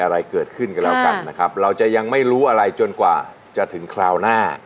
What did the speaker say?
เราจะยังไม่รู้อะไรจนกว่าจะถึงคราวหน้า